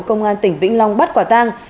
công an tỉnh vĩnh long bắt quả tang